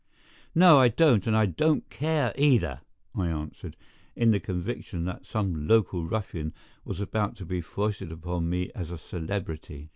"No, I don't, and I don't care either," I answered, in the conviction that some local ruffian was about to be foisted upon me as a celebrity.